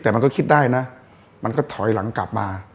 แต่มันก็คิดได้นะมันก็ถอยหลังกลับมา